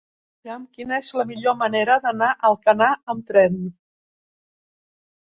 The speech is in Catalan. Mira'm quina és la millor manera d'anar a Alcanar amb tren.